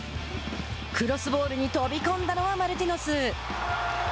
クロスボールに飛び込んだのはマルティノス。